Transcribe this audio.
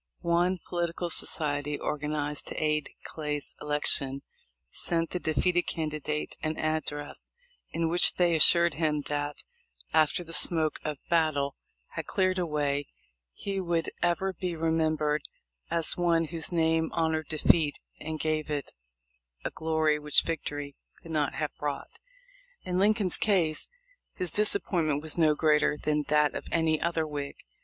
One political society organized to aid Clay's elec tion sent the defeated candidate an address, in which they assured him that, after the smoke of battle THE LIFE OF LINCOLN. 271 had cleared away, he would ever be remembered as one "whose name honored defeat and gave it a glory which victory could not have brought." In Lincoln's case his disappointment was no greater than that of any other Whig.